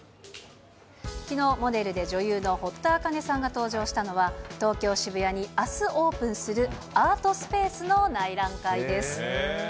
きのう、モデルで女優の堀田茜さんが登場したのは、東京・渋谷にあすオープンするアートスペースの内覧会です。